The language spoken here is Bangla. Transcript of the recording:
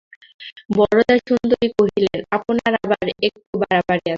বরদাসুন্দরী কহিলেন, আপনার আবার একটু বাড়াবাড়ি আছে।